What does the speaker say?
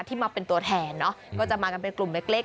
มาเป็นตัวแทนเนอะก็จะมากันเป็นกลุ่มเล็ก